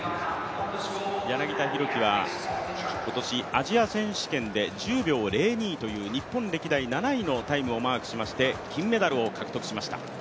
柳田大輝は今年アジア選手権で１０秒０２という日本歴代７位のタイムをマークしまして金メダルを獲得しました。